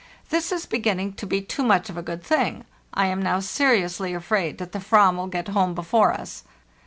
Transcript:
This is beginning to be too much of a good thing; I am now seriously afraid that the /vam will get home before us.